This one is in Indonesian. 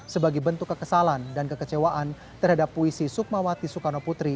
sebagai bentuk kekesalan dan kekecewaan terhadap puisi sukmawati soekarno putri